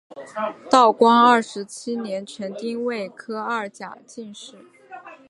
道光二十七年成丁未科二甲进士。